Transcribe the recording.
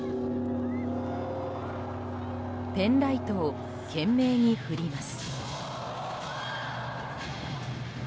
ペンライトを懸命に振ります。